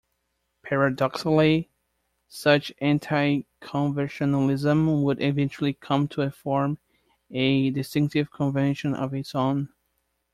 Paradoxically, such anti-conventionalism would eventually come to form a distinctive convention of its own.